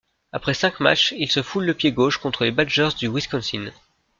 Après cinq matchs, il se foule le pied gauche contre les Badgers du Wisconsin.